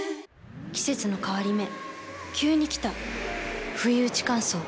季節の変わり目急に来たふいうち乾燥。